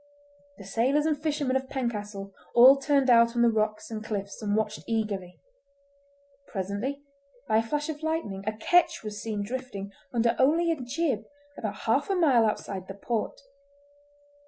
The sailors and fishermen of Pencastle all turned out on the rocks and cliffs and watched eagerly. Presently, by a flash of lightning, a "ketch" was seen drifting under only a jib about half a mile outside the port.